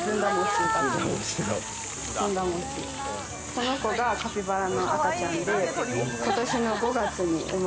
この子がカピバラの赤ちゃんで。